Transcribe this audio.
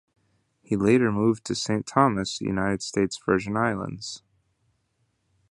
He later moved to Saint Thomas, United States Virgin Islands.